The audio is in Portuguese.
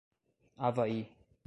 Avaí